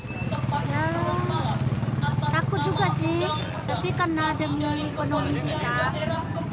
ya takut juga sih tapi karena demi ekonomi susah